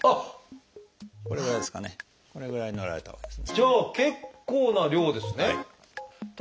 じゃあ結構な量ですね。